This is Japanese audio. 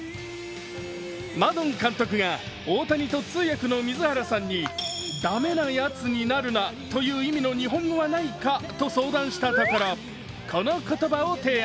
マドン監督が大谷と通訳の水原さんに「駄目なやつになるな」という意味の日本語はないかと相談したところ、この言葉を提案。